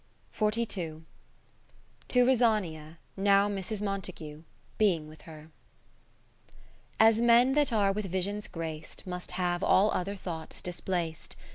To Rosania, now Mrs. Montague, being with her I As men that are with visions grac'd. Must have all other thoughts dis plac'd.